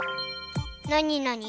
なになに？